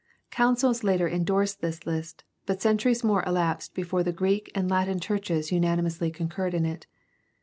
Councils later indorsed this list, but centuries more elapsed before the Greek and Latin churches unani mously concurred in it.